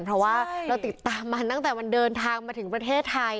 เพราะว่าเราติดตามมาตั้งแต่มันเดินทางมาถึงประเทศไทย